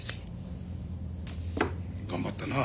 頑張ったな。